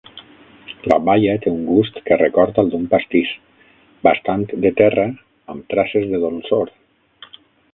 La baia té un gust que recorda al d'un pastís, bastant de terra amb traces de dolçor.